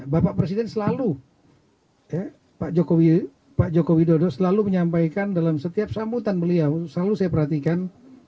bapak presiden selalu pak joko widodo selalu menyampaikan dalam setiap sambutan beliau selalu saya perhatikan